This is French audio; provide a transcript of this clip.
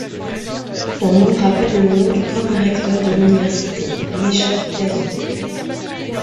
Son nom rappelle le nom du premier recteur de l'Université, Louis-Jacques Casault.